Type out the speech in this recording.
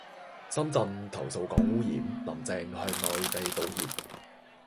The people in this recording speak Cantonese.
深圳投訴港污染,林鄭向內地道歉